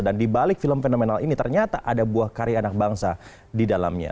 dan di balik film fenomenal ini ternyata ada buah karya anak bangsa di dalamnya